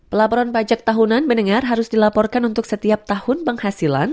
pelaporan pajak tahunan mendengar harus dilaporkan untuk setiap tahun penghasilan